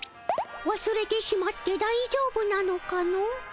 わすれてしまってだいじょうぶなのかの？